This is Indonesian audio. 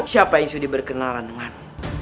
siapa yang sudah berkenalan dengan